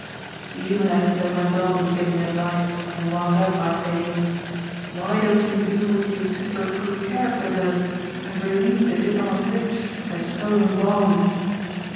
The human editor went on giving advice and wound up by saying, 'Why don't you do what your super crook character does and relieve the dishonest rich of their stolen bonds?